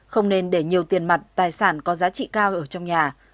không nên để nhiều tiền mặt tài sản có giá trị cao ở trong nhà